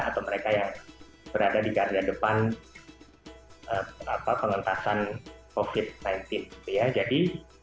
atau mereka yang berada di garda depan pengentasan covid sembilan belas ya jadi